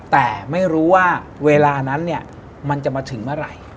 แต่ไม่รู้ว่าเวลานั้นเนี่ยมันจะมาถึงเมื่อไหร่